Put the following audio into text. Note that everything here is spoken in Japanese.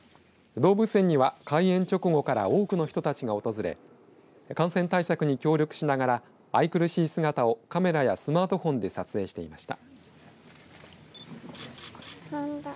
動物園には開園直後から多くの人たちが訪れ感染対策に協力しながら愛くるしい姿をカメラやスマートフォンで撮影していました。